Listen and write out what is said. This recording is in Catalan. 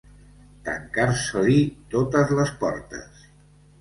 Tancar-se-li totes les portes.